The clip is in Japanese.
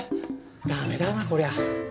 ダメだなこりゃ。